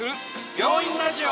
「病院ラジオ」。